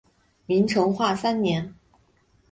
明成化三年。